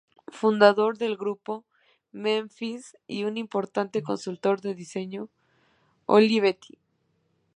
Fundador del Grupo Memphis y un importante consultor de diseño para Olivetti.